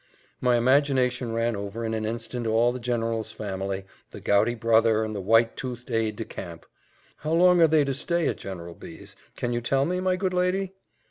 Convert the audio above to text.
My imagination ran over in an instant all the general's family, the gouty brother, and the white toothed aide de camp. "How long are they to stay at General B 's, can you tell me, my good lady?"